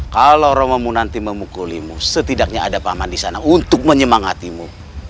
kalau romamu nanti memukulimu setidaknya ada paman di sana untuk menyemangatimu